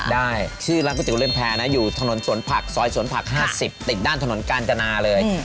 ได้ชื่อร้านก๋วเล่นแพรนะอยู่ถนนสวนผักซอยสวนผัก๕๐ติดด้านถนนกาญจนาเลย